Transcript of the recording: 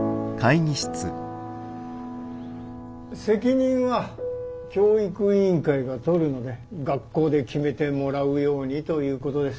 責任は教育委員会が取るので学校で決めてもらうようにということです。